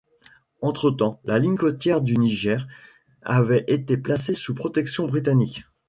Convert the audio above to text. Entretemps la ligne côtière du Niger avait été placée sous protection britannique.